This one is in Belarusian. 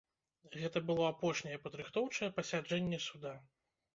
Гэта было апошняе падрыхтоўчае пасяджэнне суда.